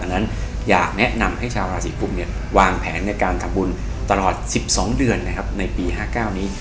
นั้นอยากแนะนำให้ชาวราศีกุมวางแผนในการทำบุญตลอด๑๒เดือนนะครับในปี๕๙นี้